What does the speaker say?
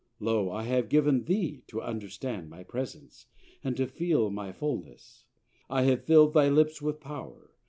Lo! I have given thee To understand my presence, and to feel My fullness; I have fill'd thy lips with power.